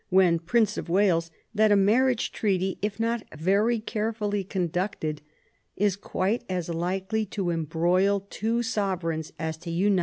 when Prince of "Wales, that a marriage treaty, if not very carefully conducted, is quite as likely to embroil two sovereigns as to unite them.